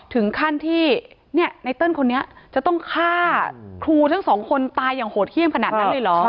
ถึงขั้นที่ไนเติ้ลคนนี้จะต้องฆ่าครูทั้งสองคนตายอย่างโหดเยี่ยมขนาดนั้นเลยเหรอ